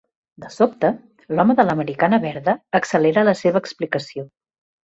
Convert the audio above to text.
De sobte, l'home de l'americana verda accelera la seva explicació.